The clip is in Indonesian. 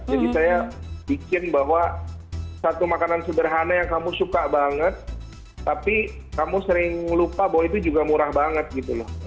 jadi saya bikin bahwa satu makanan sederhana yang kamu suka banget tapi kamu sering lupa bahwa itu juga murah banget gitu loh